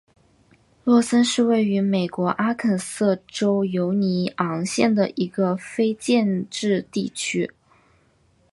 洛森是位于美国阿肯色州犹尼昂县的一个非建制地区。